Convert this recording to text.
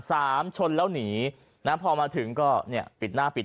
สามชนแล้วหนี